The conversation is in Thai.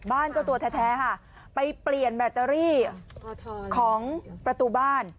เจ้าตัวแท้ค่ะไปเปลี่ยนแบตเตอรี่ของประตูบ้าน